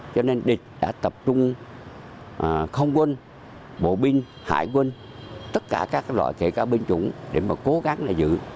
cho nên địch đã tập trung không quân bộ binh hải quân tất cả các loại kể cả binh chủng để mà cố gắng là giữ